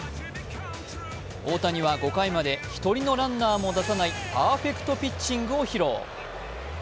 大谷は５回まで１人のランナーも出さないパーフェクトピッチングを披露。